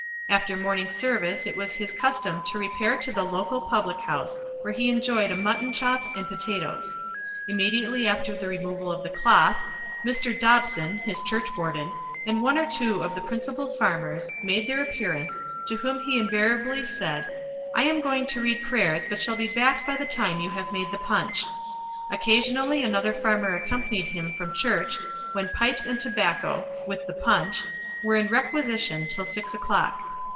After morning service it was his custom to repair to the local public house where he enjoyed a mutton chop and potatoes. Immediately after the removal of the cloth, "Mr. Dobson (his churchwarden) and one or two of the principal farmers, made their appearance, to whom he invariably said, 'I am going to read prayers, but shall be back by the time you have made the punch.' Occasionally another farmer accompanied him from church, when pipes and tobacco" with the punch "were in requisition until 6 o'clock."